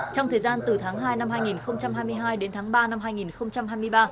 trong thời gian từ tháng hai năm hai nghìn hai mươi hai đến tháng ba năm hai nghìn hai mươi ba